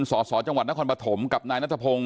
สสจังหวัดนครปฐมกับนายนัทพงศ์